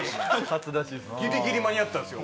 ギリギリ間に合ったんすよ